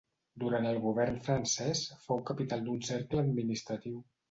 Durant el govern francès, fou capital d'un cercle administratiu.